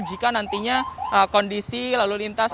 jika nantinya kondisi lalu lintas